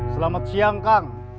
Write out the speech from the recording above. selamat siang kang